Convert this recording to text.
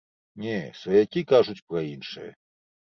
Не, сваякі кажуць пра іншае.